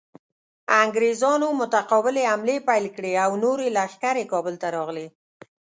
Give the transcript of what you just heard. انګریزانو متقابلې حملې پیل کړې او نورې لښکرې کابل ته راغلې.